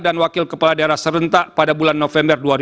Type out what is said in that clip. dan wakil kepala daerah serentak pada bulan november dua ribu dua puluh empat